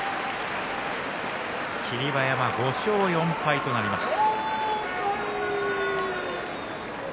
霧馬山、５勝４敗となりました。